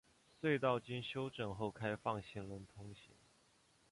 隧道经整修后开放行人通行。